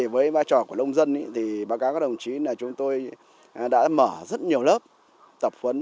với vai trò của nông dân thì báo cáo các đồng chí là chúng tôi đã mở rất nhiều lớp tập huấn